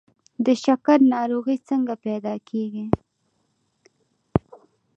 د شکر ناروغي څنګه پیدا کیږي؟